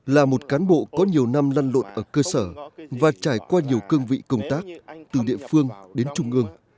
là một cán bộ có nhiều năm lăn lộn ở cơ sở và trải qua nhiều cương vị công tác từ địa phương đến trung ương